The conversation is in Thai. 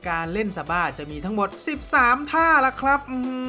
การเล่นสบาจะมีทั้งหมด๑๓ท่าล่ะครับ